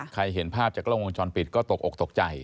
เห็นภาพจากกล้องวงจรปิดก็ตกอกตกใจ